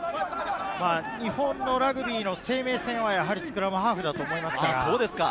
日本のラグビーの生命線はやはりスクラムハーフだと思います。